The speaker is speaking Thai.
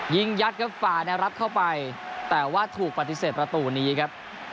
ยิงยัดครับฝ่าแนวรับเข้าไปแต่ว่าถูกปฏิเสธประตูนี้ครับ